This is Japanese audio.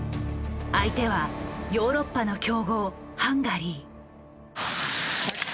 相手はヨーロッパの強豪ハンガリー。